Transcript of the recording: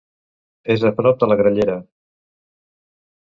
És a prop de la Grallera.